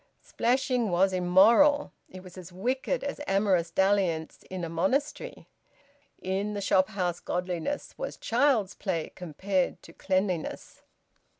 Splashing was immoral. It was as wicked as amorous dalliance in a monastery. In the shop house godliness was child's play compared to cleanliness.